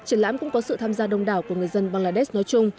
triển lãm cũng có sự tham gia đông đảo của người dân bangladesh nói chung